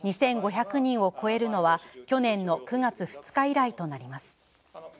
２５００人を超えるのは、去年の９月２日以来となります。